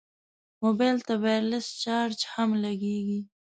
موبایل ته وایرلس چارج هم لګېږي.